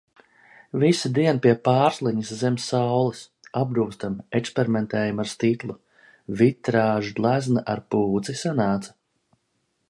Visa diena pie Pārsliņas zem saules. Apgūstam, eksperimentējam ar stiklu. Vitrāžglezna ar pūci sanāca.